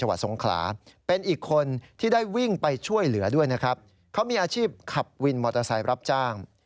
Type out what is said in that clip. วิ่นมอเตอร์ไซค์รับจ้าง